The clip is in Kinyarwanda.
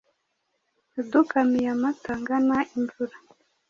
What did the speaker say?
Wadukamiye amata angana imvura,